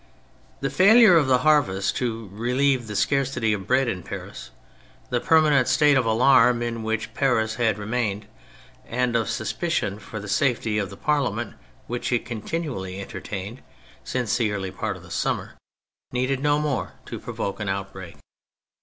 The failure of the harvest to relieve the scarcity of bread in Paris, the permanent state of alarm in which Paris had remained, and of suspicion for the safety of the Parlia ment which it continually entertained since the early part of the summer, needed no more to provoke an outbreak.